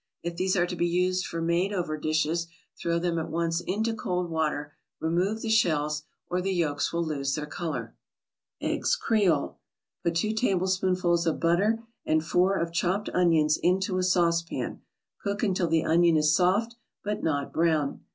If these are to be used for made over dishes, throw them at once into cold water, remove the shells, or the yolks will lose their color. EGGS CREOLE Put two tablespoonfuls of butter and four of chopped onions into a saucepan, cook until the onion is soft, but not brown.